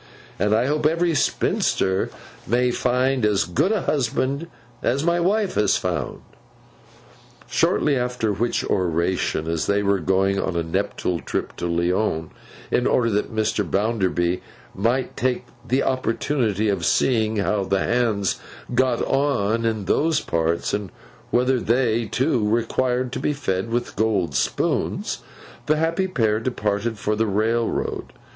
And I hope every spinster may find as good a husband as my wife has found.' Shortly after which oration, as they were going on a nuptial trip to Lyons, in order that Mr. Bounderby might take the opportunity of seeing how the Hands got on in those parts, and whether they, too, required to be fed with gold spoons; the happy pair departed for the railroad.